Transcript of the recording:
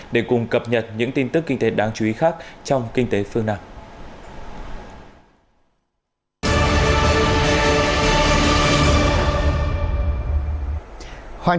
để cùng cập nhật những tin tức kinh tế đáng chú ý khác trong kinh tế phương nam